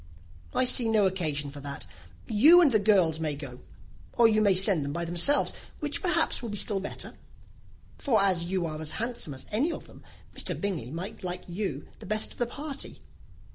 "I see no occasion for that. You and the girls may go or you may send them by themselves, which perhaps will be still better; for as you are as handsome as any of them, Mr. Bingley might like you the best of the party."